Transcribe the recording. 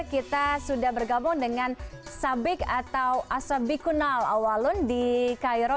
kita sudah bergabung dengan sabik atau asabikunal awalun di cairo